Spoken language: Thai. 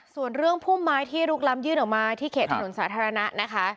ส่วนเรื่องพุ่มไม้ที่ลุกล้ำยื่นออกมาที่เขตถนนสาธารณะนะคะ